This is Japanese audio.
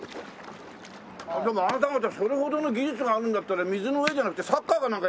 でもあなた方それほどの技術があるんだったら水の上じゃなくてサッカーかなんかやったらどう？